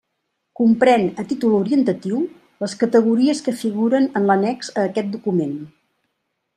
Comprén, a títol orientatiu, les categories que figuren en l'annex a aquest document.